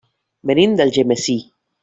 Venim d'Algemesí.